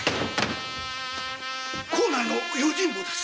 幸内の用心棒です！